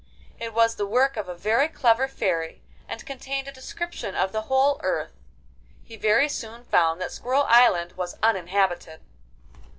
It was the work of a very clever Fairy, and contained a description of the whole earth. He very soon found that Squirrel Island was uninhabited.